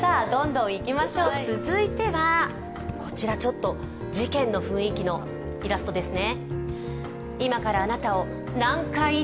続いてはこちら、ちょっと事件の雰囲気のイラストですね。